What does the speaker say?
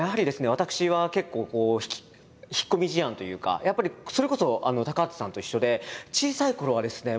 私は結構引っ込み思案というかやっぱりそれこそ高畑さんと一緒で小さいころはですね